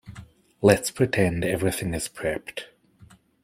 Let's pretend everything is prepped.